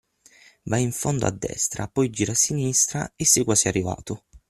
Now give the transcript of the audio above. Vai in fondo a destra, poi gira a sinistra e sei quasi arrivato.